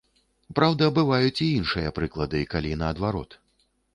Праўда, бываюць і іншыя прыклады, калі наадварот.